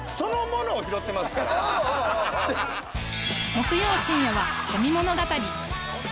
木曜深夜は『ごみ物語』